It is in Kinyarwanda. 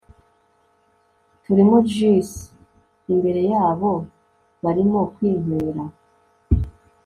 turimo jus imbere yabo barimo kwinkwera